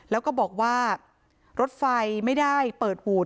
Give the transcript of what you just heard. แล้วก็บอกว่ารถไฟไม่ได้เปิดหูด